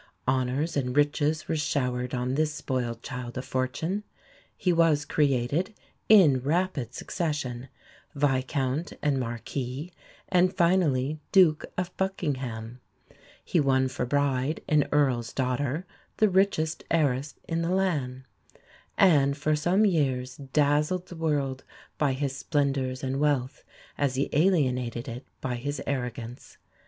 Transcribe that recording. Honours and riches were showered on this spoiled child of fortune. He was created, in rapid succession, Viscount and Marquis, and finally Duke of Buckingham; he won for bride an Earl's daughter, the richest heiress in the land; and for some years dazzled the world by his splendours and wealth as he alienated it by his arrogance.